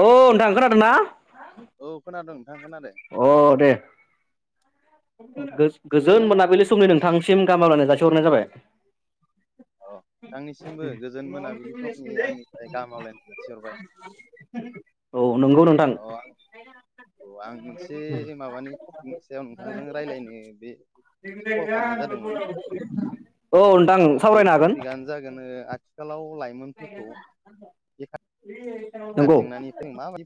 औ नोंथां खोनादों ना? औ खोनादों नोंथां खोनादों अ दे अ गोजों बै गोजोन मोनाबिलि समनि नोंथांसिम गाहाम हामलाय जासिहरनाय जाबाय। अ नोंथांनिसिमबो गोजोन मोनाबिलि समनि आंनिफ्राय गाहाम हामलायनाय जासिहरबाय। औ नंगौ नों अ आं औ आं मोनसे माबानि टपिकनि सायाव नोंथांजों रायज्लायनो बे कल खालामनाय जादोंमोन औ नोंथां ओ बे सावरायनो हागोन टपिकआनो जागोन ओ आथिखालाव लाइमोनफोरखौ बेखार नंगौ जेंनानिफ्राय जों माबायदि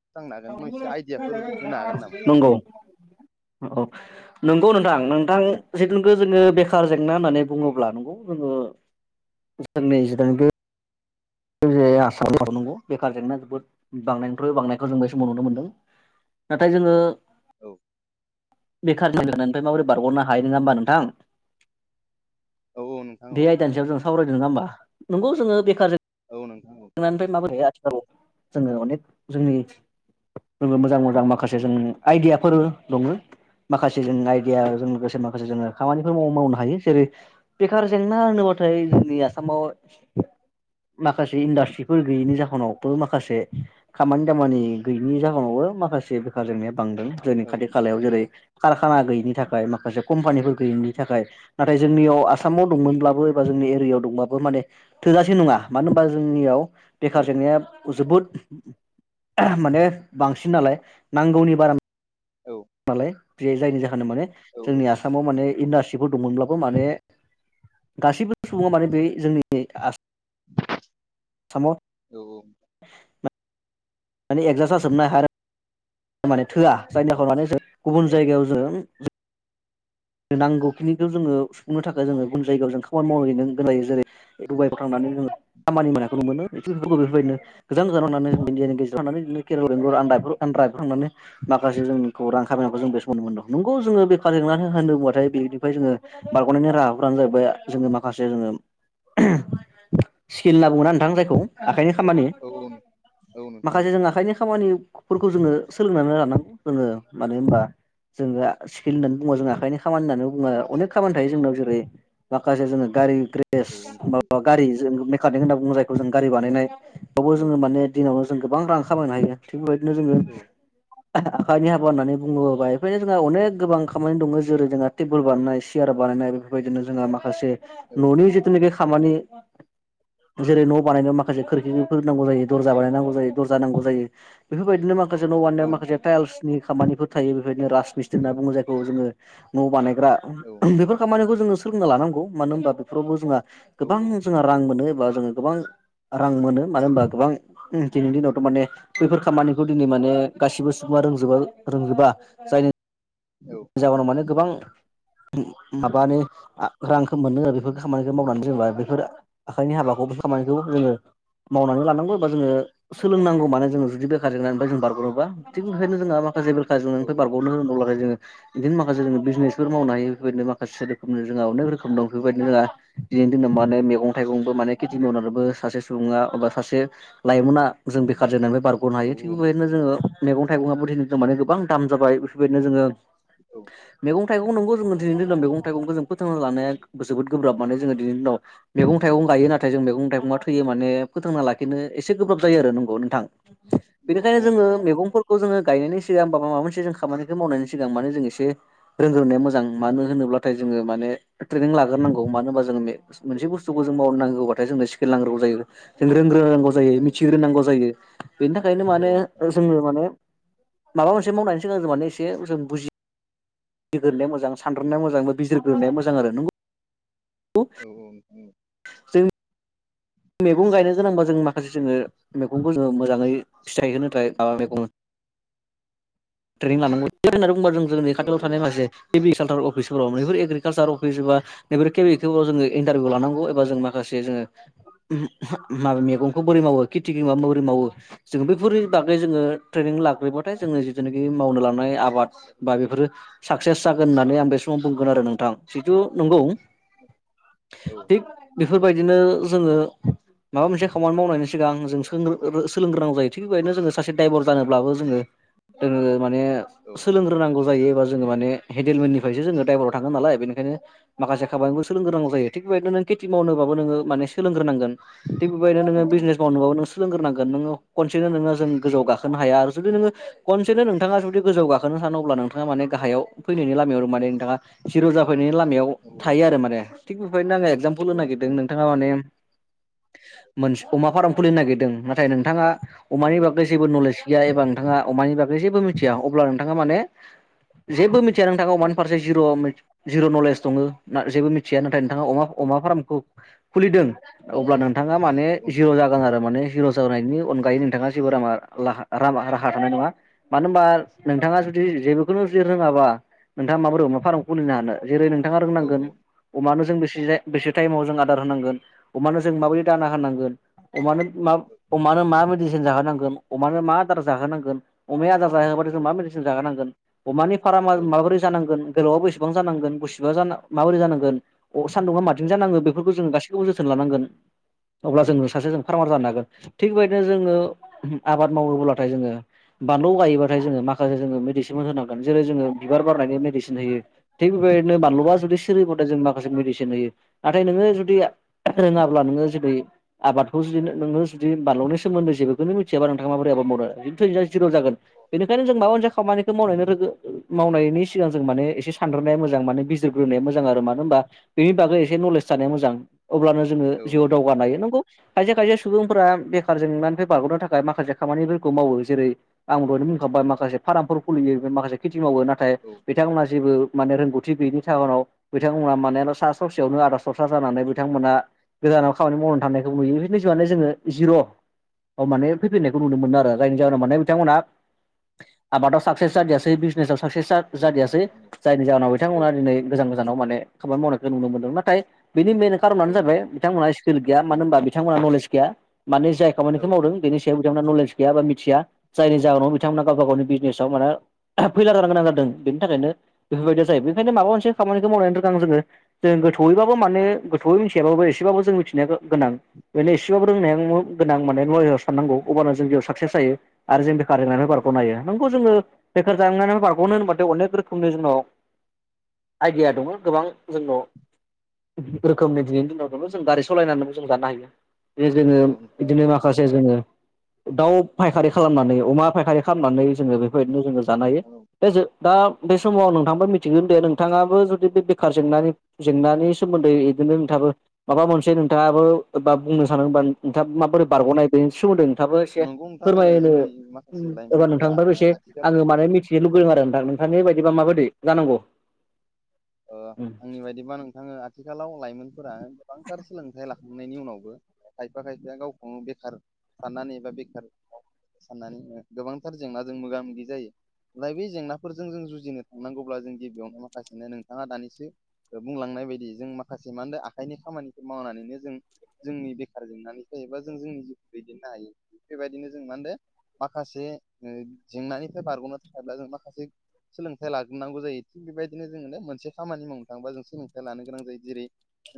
फोजोबस्रांनो हागोन मोनसे आइडियाफोर होनो हागोन नामा नंगौ अ नंगौ नोंथां-नोंथां दे जिथुुनाखि जोङो बेखार जेंना होननानै बुङोब्ला नंगौ जोङो जोंनि जिथुुनाखि बे जोंनि आसामाव नंगौ बेखार जेंना जोबोद बांनायनिफ्राय बांनायखौ जों बे समाव नुनो मोन्दों नाथाय जोङो औ बेखारनि जेंनानिफ्राय माबोरै बारगनो हायो नङा होमबा नोंथां औ औ नोंथां औ बे आयदानि सायाव जों सावरायदों नङा होमबा नंगौ जोङो बेखारजों औ नोंथा औ नानिफ्राय माबोरै आथिखालाव जोङो अनेक जोंनि जोंङो मोजां मोजां माखासे जों आइदियाफोर दङ माखासे जों आइडियाजों लोगोसे माखासे जोङो खामानिफोर माव- मावनो हायो जेरै बेखार जेंना होनोब्लाथाय जोंनि आसामाव माखासे इन्डास्ट्रिफोर गैयैनि जाहोनाव माखासे खामानि दामानि गैयिनि जाहोनावबो माखासे बेखार जोंनाया बांदों जोंनि औ खाथि खालायाव जेरै कारखाना गैयिनि थाखाय माखासे कम्पानिफोर गैयिनि थाखाय नाथाय जोंनियाव आसामाव दंमोनब्लाबो एबा जोंनि एरियायाव दंब्लाबो माने थोजासे नङा मानो होनबा जोंनियाव औ बेखार जेंनाया जोबोद माने बांसिन नालाय नांगौनि बारा औ मालाय बे जायनि जाहोन माने औ जोंनि उम, आसाम आसामाव माने इन्डास्ट्रिफोर दंमोनब्लाबो माने गासिबो सुबुङा माने बे जोंनि [unintelligible] आसामाव औ औ [unintelligible] मानि एकजास जाजोबनोबनाय हाया आरो माने थोआ जायनि जाहोनाव माने जों गुबुन जायगायाव जों नांगौखिनिखौ जोङो सुफुंनो थाखाय जोङो गुबुन जायगायाव जों खामानि मावहैनो गोनां जायो जेरै दडुबाइफ्राव थांनानै जोङो खामानि मावनायखौ नुनो मोनो बेफोरखौ बेफोरबायदिनो गोजान गोजान थांनानै इणडियानि गेजेरावनानै केरेला बेंगालुरु आन्दा आद्राफोरव थांनानै माखासे जोंखौ रां खामायनायखौ जों बेथन मोनदों नंगौ जोङो बेखार जेंना होन होनना बुंबाथाय बेनिफ्राय जोङो बारग'नायनि राहाफोरानो जाहैबाय जोङो माखासे जोङो स्किल होनना बुंङो नोंथां जायखौ आखाइनि खामानि औ औ औ नोंथां माखासे औ जों आखाइनि खामानि फोरखौ जोङो सोलोंनानै लानांगौ जोङो मानो होनबा जोङो स्किल होननानै बुङोबा औ जोंहा खामानि होननानै बुङो अनेक खामानि थायो जोंनाव जेरै माखासे जों गारि ग्रेस औ नोंथां मा- गारि जों मेकानिक होनना बुङो जायखौ जों गारि बानायनाय बावबो औ जोङो माने दिनावनो जों गोबां रां खामायनो हायो। थिग बेबायदिनो जोङो औ आखाइानि हाबा होननानै बुंङोबा बेबादिनो जोंहा अनेक गोबां खामानि दङ जेरै जोंहा टेबोल बानायनाय सियार बानायनाय बेफोरबायदिनो जोंहा माखासे औ न'नि जितुनिकि खामानि जेरै न' बानायनायाव माखासे खोरखिफोर नांगौ जायो दरजा बानायनांगौ जायो दरजा नांगौ जायो। बेफोरबायदिनो माखासे न' औ वाननो नोंथां माखासे टाइल्सनि खामानिफोर थायो बेफोरबायदिनो राजमिस्त्रि औ होनना बुङो जायखौ जोङो‌। न' बानायग्रा औ बेफोर खामानिखौ जोङो सोलोंना लानांगौ मानो होमबा फोरावबो जोंहा औ गोबां जोंहा रां मोनो एबा जों गोबां रां मोनो मानो होमबा गोबां उम दिनैनि दिनाव थ' माने बैफोर खामानिखौ दिनै माने गासिबो सुबुङा रोंजोबा रोंजोबा जायनि औ। जाउनाव माने गोबां उम माबानि आ रांखो मोननो बेफोर खामानिखौ मावनानै जेनेबा बेफोर आखाइनि हाबाखौ बे खामानिखौ जोङो मावनानै लानांगौ बा जोङो सोलोंनांगौ माने जोङो जुदि बेेखार जेंनानिफाय जों बारग' बा थिग ओंखायनो जोंहा माखासे औ [unintelligible] बारग'नो [unintelligible] इदिनो माखासे जोङो बिजनेसफोर मावनो हायो बेफोरबायदिनो माखासे रोखोम जोंहा अनेक रोखोम दं बेफोरबायदिनो जोंहा दिनैनि दिनाव मा होनो मेउ गं थाइगंबो माने केति मावउनानैबो सासे सुबुङा एबा सासे लाइमोना जों बेखार जानानैफाय बारग' ग'नो हायो थिग बेबायदिनो जोङो मेगं थाइगंआबोदि दिनैनि दिनाव माने गोबां दाम जाबाय बेफोरबायदिनो जोङो औ। मैगं थाइगं नंगौ जोङो दिनैनि दिनाव मैगं थाइगंखो जों फोथांना लानाया जोबोद गोब्राब माने जोङो दिनैनि दिनाव मैगं औ नोंथां थाइगं गायो नाथाय जों मैगं थाइगङा थैयो माने फोथांना लाखिनो एसे गोब्राब जायो आरो नंगौ नोंथां। बेनिखायनो औ औ जोङो नोंथां औ मेगंफोरखौ जोङो गायनायनि सिगां बा माबा मोनसे जों खामानिखौ मावनायनि सिगां माने जों एसे [unintelligible] रोंग्रोनाया मोजां मानो होनोब्लाथाय जोङो माने ट्रेनिं लाग्रोनांगौ मानो होमबा जों मे मोनसे बुस्थुखौ जों मावनांगौबाथाय जोंनो स्केल नांग्रोगौ जायो। जों रोंग्रोनांगौ जायो नोंथां मिथिग्रोनांगौ जायो बेनि थाखायनो औ माने नोंथां ओस जोंनो माने माबा मोनसे मावनायनि सिगां जों माने एसे जों बुजि बिजिरग्रोनाया मोजां सानद्रोनाया मोजां बिजिरग्रोनाया मोजां आरो नोंगौ [unintelligible] औ [unintelligible] मैगं गायनो गोनांबा जों माखासे जोङो मैगंबो ओ मोजाङै फिथाइ होनो थाखाय [unintelligible] मेगं ट्रेनिं लानांगौ बे होननानै बुंबा [unintelligible] जोंनि खाथियाव औ थानाय माखसे ऐग्रिरिकालसार [unintelligible] अफिसफोराव मोनैफोर एग्रिकालसार अफिस बबा बेफोर केेबिव जोङो इनथारभिउ लानांगौ एबा जों माखासे जोङो [unintelligible] माब मैगंखौ बोरै मावो खेथिखौ माबा बोरै मावो जोङो बैफोरनि बागै जोङो ट्रेनिं लाग्रोबाथाय जोङो जिथुनाखि मावनो लांनाय आबाद बा बेफोरो साक्सेस जागोन होननानै आं बे समाव बुंगोन आरो नोंथां जिहेतु नंगौ औ थिग बेफोरबायदिनो जोङो [inaudible] माबा मोनसे खामानि मावनायनि सिगां जों सोलोंग्रोनां जायो थिग बेबायदिनो जोङो सासे द्राइभार जानोब्लाबो जोङो जोङो माने औ सोलोंग्रोनांगौ जायो एबा जोङो माने हेडेलमेननिफ्रायस जोङो द्राइभाराव थाङो नालाय बेनिखायनो माखासे खाबानिनोबो सोंलोंगोरनांगौ जायो थिग बेबायदिनो नों खेथि मावनोबाबो नोंङो माने सोलोंग्रोनांगोन! थिग बेबायनो उम नोङो बिजनेस मावनोबाबो नों सोलोंग्रोनांगोन नोंङो खनसेनो नोङो जों गोजौआव गाखोनो हाया जुदि नोङो खन सेनो नोंथाङा जुदि गोजौ गाखोनो सान अब्ला नोंथाङा मान गाहायाव फैनायनि लामायाव माने नोंथाङा जिर' जाफैनायनि लामायाव उम औ थायो आरो माने थिग बेखनो आङो एक्जामपोल औ होनो नोंथां नागिरदों औ नोंथां औ नोंथां औ नोंथां औ नोंथां नोंथाङा माने मोनसे अमा फार्म खुलिनो नागिरदों नाथाय नोंथाङा अमानि बागै जेबो नलेज गैया एबा नोंथा अमानि बागै जेबो मिथिया अब्ला नोंथाङा माने जेबो मि मिथिया नोंथाङा अमानि फारसे जिर' जिर' नलेज दङ जेबो मिथिया नाथाय नोंथाङा अमा अमा फार्मखौ खुलिदों अब्ला नोंथाङा माने जिर' जा मोजां आरो माने हिर' जायनि अनगायै नोंथाङा जेबो [unintelligible] राहा थानाय नङा मानो होनबा नोंथाङा जुदि जेबोखौनो जुदि रोङाबा नोंथाङा माबोरै अमा फाराम खुलिनो हानो जेरै नोंथाङा रोंनांगोन अमानो जों बेसे टाइमाव जों आदार होनांगोन। अमानो जों माबायदि दाना होनानांगोन। अमानो अमानो मा मेडिसिन जाहोनांगोन अमानो मा आदार जाहोनांगोन अमाया आदार जों मा मेडिसिन जोनांगोन अमानिार माबोरै जानांगोन। गोलावा बेसेबां जानांगोन गुसेबा जा माबोरै जांगोन अ सान्दुंआ माथिं जानांगोन बेफोरखौ जों गासैखौबो जोथोन लानांगोन अब्ला जोङो सासे जों फार्मार जानो हागोन। थिग बेदिनो जोंङो आबाद मावोब्लाथाय जोंङो बानलु गायोब्ला माने जोंङो माखासे जों मेदिसिनबो होनांगोन जेरै जोंङो बिबार बारनायनि मेडिसिन होयो थि बेबाय नो बानलुबा जुदि सिरिबाथाय जों माखासे मेदिसिन होयो। नाथाय नोंङो जुदि रोंङाब्ला नोंङो जुदि आबादखौ जुदि नोंङो जुदि बानलौ सोमोन्द जेबोखौनो मिथियाबा नोंथांङा बोरै मानो। बिखै नोंहा जिर' जागोन बेनिखायनो जों माबा मोनसे खामानिखौ मावनायनो रोंगो मावनायनि सिगां जों माने एसे सानद्रनाया मोजां माने बिजिरग्रोनाया मोजां आरो मानो होनोमबा बेनि बागै एसे नलेज थानायानाया मोजां अब्लानो जोंङो जिउआव दावगानो हायो नंगौ खायसे खायसे सुबुंफोरा बेखार जेंनानिफ्राय बारग'नो थाखाय माखासे खामानिफोरखौ मावो जेरै आंबोहायनो बुंखाबबाय माखासे फार्मफोर खुलियो माखासे खेथि मावो नाथाय बिथांमोनहा जेबो माने रोंगौथि गोयिनि जाहोनाव बिथांमोनहा माने सा ससेयावनो आदा सरसा जानानै बिथांमोना गोजानाव खामानि मावनानै थांनायखौ नुयो बेफोरनि जुआनो जोंङो जिर औ माने फैफिननायखौ मोन आरो जायनि जाहोनाव माने बिथांमोना आबादाव साक्सेस जादियाासै बिजनेसाव साक्सेस जादियाासै जायनि जाहोनाव बिथांमोना दिनै गोजान गोजानाव माने खामानि मावनायखौ नुनो मोनदों नाथाय बेनि मेन खार'नानो जाबाय बिथांमोनहा स्किल गैया मानो होनबा बिथांमोनहा नलेज गैया मानि जाय खामानिखौ मावदों औ बेनि सायाव बिथांमोना नलेज गैया बा मिथिया जायनि जाहोनाव बिथांमोना गावबा गावनि बिजनेसाव माने फैला जानां गोनां जादों बेनि थाखायनो बेफोरबायदिया जायो बेनिखायनो माबा मोनसे खामानिखौ रोगां जोंङो जों गोथौयैबाबो मानोे गोथौयै मिथियाबाबो एसेबाबो जों मिथिनाया गोनां। बेनो एसेबाबो रोंनाया गोनां माने महायाव साननांगौ अब्लानो जों बेयाव साक्सेस जायो। आरो जों बेखार जोंनिफ्राय औ बारग'नो हायो नोंगौ जोंङो बेखार जानायनानैफ्राय बारग'नो होनबाथाय अनेक रोखोमनि जोंनाव। आइडिया दंङो गोबां जोंनाव। रोखोमनि दिनैनि दिनाव द जों गारि सालायनानैबो जों जानो हायो बे जोंङो नोंथां बिदिनो माखासे माखासे जोंङो दाउ फायखारि खालामनानै अमा फायखारि खालामनानै जोंङो बेफोरबायदिनो जोंङो जानो हायो। औ दे जा दा बे समाव आं नोंथांबा मिथिगोन दे नोंथांङाबो जुदि बे बेखार जेंनानि। जेंनानि सोमोन्दै बिदिनो नोंथाबो माबा मोनसे नोंथांङाबो एबा बुंनो सानबा नोंथांङा माबोरै बारग'नाय बे सोमोन्दों। थाबो एसे नंगौ नोंथां फोरमायो ओ जोंनि माखासे एबा लाइमोनफोरा नोंथांबाबो ओ एसे आथिखाल आंङो मिथि ज लुगैदों आरो नोंथां नोंथांनि बायबा माबायदि जानांगौ। नंगौ आंनि बायदिबा नोंथाङो आथिखालाव लाइमोनफोरा गोबांथार सोलोंथाइ लाखांनायनि उनावबो। खायफा खायफाया गावखौनो बेखार साननानैबा बेखार साननानै बुंङो गोबांथार जेंनाजों मोगा-मोगि जायो। बे जेंनाफोरजों जों जुजिनो थांनांगौब्ला जों गिबियावनो माखासेनो नों बिथाङा दानिसो बुंलांनाय बायदि जों माखासे मा होनो आखाइनि खामानिखौ मावनानैनो जों। जोंनि बेखार जोंनानैफ्रायायोबा जों जोंनि जिउखौ दैदेननो हायो बेबायदिनो जों मा होनदों? माखासे जेंनानिफ्राय बारग'नो थाखायब्ला जों माखासे सोलोंथाइ लाग्रोनांगौ जायो थिग बेबायदिनो जोंङो मोनसे खामानि मावनो थाङोबा जों सोलोंथाइ लानो गोनां जायो जेरै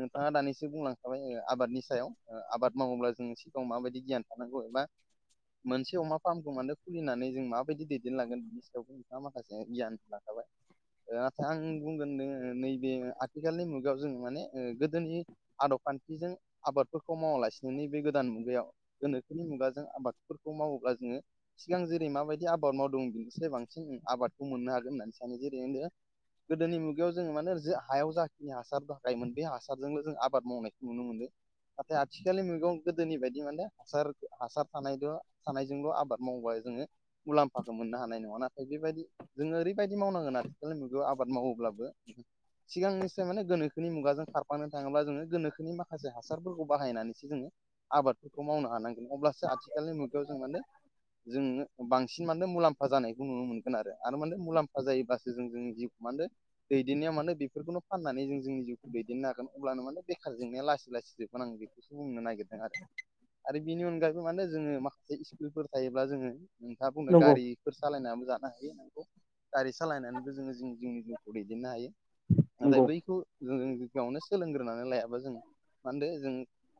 नोंथाङा दानिसो बुंलांखाबाय आबादनि सायाव आबाद मावोब्ला जों सिगाङाव माबायदि गियान। थागौबा मोनसे अमा फार्मखौ मानो खुलिनानै जों माबायदि दैदेनलांगोन बिनि सायावबो नोंथाङा माखासे गियान लाखाबाय। आचसा आं बुंगोन नैबे आथिखालनि मुगायाव जों माने गोदोनि। आदब खान्थिजों आबादफोरखौ मावालासिनो नै बे गोदान मुगायाव गोनोखोनि मुगाजों आबादफोरखौ मावोब्ला जोंङो। सिगां जेरै माबायदि आबाद मावदों बिनिफ्राय बांसिन आबादखौ मोननो हागोन होननानै सानो जेरै होननो गोदोनि मुगायाव जोङो माने जो हायाव जाखिनि हासार थाखायोमोन बे हासारजोंनो जों आबाद मावनायखौ नुनो मोनो। नाथाय आथिखालनि मैगं गोदोनि बायदि माने हासार हासार थानायद'। सानैजोंल' आबाद मावबा जोङो। मुलाम्फाखौ मोननो हानाय नङा नाथाय बेबायदि जोङो ओरैबायदि मावनांगोन आथिखालनि मुगायाव आबाद मावोब्लाबो सिगांनिसो माने गोनोखोनि मुगाजों खारफानो थाङोब्ला जोङो गोनोखोनि माखासे हासारफोरखौ बाहायनानैसो जोङो। आबादफोरखौ मावनो हानांगोन अब्लासो आथिखालनि मुगायाव जोंङो जोंङो बांसिन माने मुलाम्फा जानायखौ नुनो मोनगोन आरो आरो माने मुलाम्फा जायोब्लासो जों जोंनि जि मानदो दैदेननाया मानो बेफोरखौनो फाननानै जोंनि जिउखौ दैदेननो हागोन अब्लानो माने बेखार जेंनाया लासै लासै जोबगोन आं बेखौसो बुंनो नागिरदों आरो। आरो बिनि अनगायैबो मानोे जोङो माखासे इस्कुलफोर थायोब्ला जोङो नोंथाङा बुंनो नंगौ गारि फोर सालायनानैबो जानो हायो नोंखौ गारि सालायनानैबो जोङो जोंनि जिउखौ दैदेननो हायो। नाथाय बैखौ जों गयावनो सोलोंग्रोनानै लायाबा जों। मान होनदो जों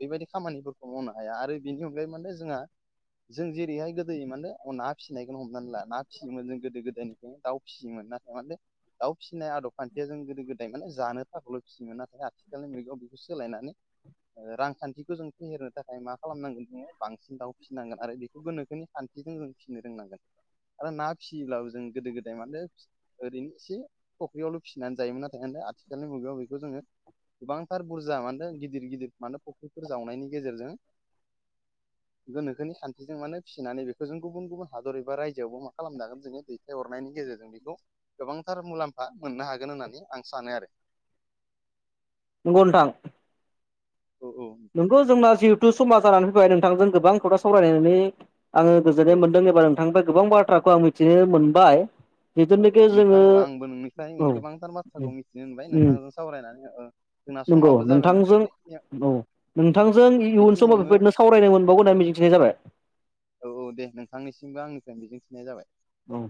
बेबायदि खामानिफोरखौ मावनो हाया आरो बेनि अनगायै मानो जोंहा जों जेरैहाय गोदोयो मानो ना फिसिनायखौनो हमनानै ला ना फियोमोन जों गोदो गोदायनिफ्रायनो दाउ फियोमोन ना थारमाने दाउ फिसिनाय आदब खान्थिया जों गोदो गोदाय माने जानो थाखायल' फिसियोन नाथाय आथिखालनि मुगायाव बेखौ सोलायनानै ओ रांखान्थिखौ जों फेहेरनो थाखाय मा खालामनांगोन जोङो बांसिन दाव फिनांगोन आरो बेखौबो गोनोखोनि फजों जों फिसिनो रोंनांगोन आरो ना फिसियोब्लाबो जों गोदो गोदाय माने ओरैनो एसे फ'ख्रियावल' फिसिनानै जायोमोन नाथाय आथिखालनि मुगायाव बेखौ जोङो गोबांथार बुरजा मानो गिदिर गिदिर मानो फुख्रिफोर जावनायनि गेजेरजों [inaudible] गोनोखोनि खान्थिजों मानो फिसिनानै बेखौ जों गुबुन गुबुन हादर एबा रायजोआवबो मा खालामनो हागोन जोङो दै। बे अरनायनि गेजेरजों बेखौ गोबांथार मुलाम्फा मोननो हागोन होननानै आं सानो आरो नंगौ नोंथां औ औ नोंगौ जोंना जिहेथु समाज जानानै फैबाय नोंथांजों गोबां खोथा सावरायनानै आङो औ गोजोननाय मोनदों एबा नोंथांनिफ्राय गोबां बाथ्राखौ आं मिथिनो मोनबाय। औ औ जिथुनिखि नोंथां जोङो औ आंबो नोंनिफ्राय औ गोबांथार बाथ्राखौ मिथिनो होनबाय नोंथांजों सावरायनानै औ। नंगौ नोंथांजों औ। नोंथांजों इयुन समाव बेखिनियावनो बेफोरबायदिनो सावरायनो मोनबावगोन होननानै मिजिंथिनाय जाबाय। औ औ दे नोंथांनिसिमबो आंनिफ्राय मिजिंथिनाय जाबाय औ